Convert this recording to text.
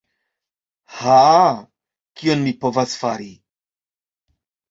Ha... kion mi povas fari.